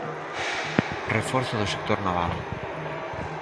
Reforzo do sector naval.